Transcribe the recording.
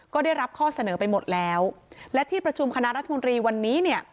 ก็ได้รับข้อเสนอไปหมดแล้วและที่ประชุมคณะรัฐมนตรีวันนี้เนี่ย